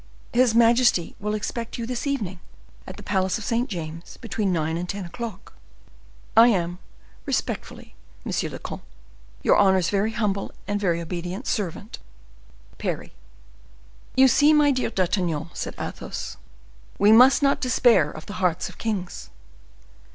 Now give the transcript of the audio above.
His majesty will expect you this evening, at the palace of St. James, between nine and ten o'clock. "I am, respectfully, monsieur le comte, your honor's very humble and very obedient servant,—PARRY." "You see, my dear D'Artagnan," said Athos, "we must not despair of the hearts of kings."